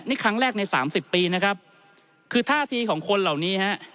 นี่ครั้งแรกในสามสิบปีนะครับคือท่าทีของคนเหล่านี้ฮะ